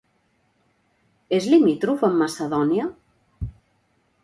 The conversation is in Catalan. És limítrof amb Macedònia?